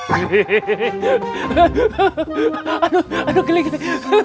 aduh aduh geli geli